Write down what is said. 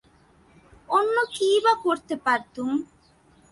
অন্য কীই বা করতে পারতুম।